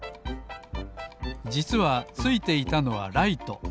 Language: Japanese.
じつはついていたのはライト。